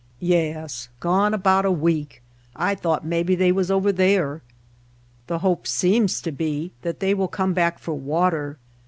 "Yes. Gone about a week. I thought maybe they was over there." The hope seems to be that they will come back for water.